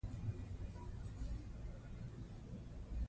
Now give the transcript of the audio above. د مور په پوهه کورنی روغتیا وده کوي.